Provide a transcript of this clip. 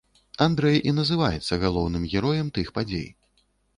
Андрэй і называецца галоўным героем тых падзей.